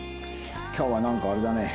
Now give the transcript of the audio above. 今日はなんかあれだね